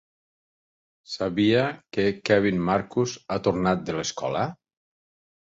Sabia que Kevin Marcus ha tornat de l'escola?